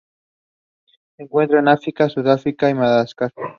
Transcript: Se encuentra en África subsahariana y Madagascar.